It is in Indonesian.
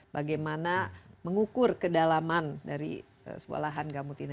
bagaimana mengukur kedalaman dari sebuah lahan gambut ini